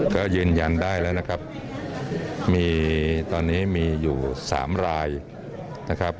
ก็ยืนยันได้แล้วนะครับมีตอนนี้มีอยู่๓รายนะครับ